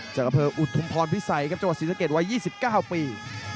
จากอำเภออุทุมพรพิสัยครับจังหวัดศรีสะเกดวัย๒๙ปี